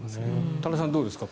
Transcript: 多田さん、どうですか。